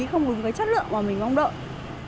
không đúng cái chất lượng mà mình mong đợi